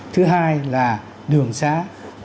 thứ hai là đường sát